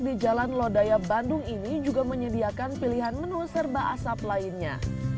di jalan lodaya bandung ini juga menyediakan pilihan menu serba asap lainnya